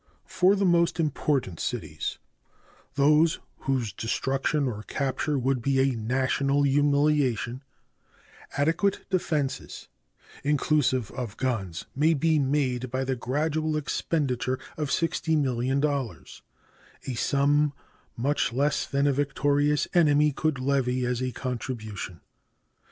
For the most important cities those whose destruction or capture would be a national humiliation adequate defenses, inclusive of guns, may be made by the gradual expenditure of $60,000,000 a sum much less than a victorious enemy could levy as a contribution.